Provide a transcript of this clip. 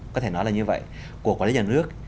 có thể nói là như vậy của quản lý nhà nước